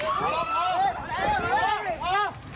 เฮ้ยเฮ้ยเฮ้ยเฮ้ยเฮ้ยเฮ้ยเฮ้ย